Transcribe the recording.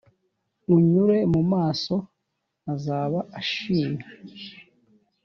Unyure mu maso azaba ashimye.